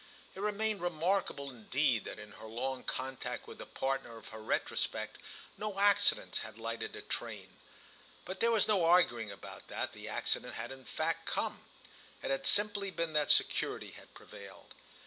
It remained remarkable indeed that in her long contact with the partner of her retrospect no accident had lighted a train; but there was no arguing about that; the accident had in fact come: it had simply been that security had prevailed.